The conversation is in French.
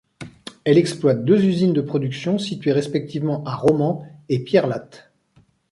Elle exploite deux usines de production situées respectivement à Romans et Pierrelatte.